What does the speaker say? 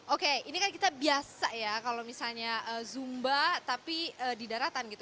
oke ini kan kita biasa ya kalau misalnya zumba tapi di daratan gitu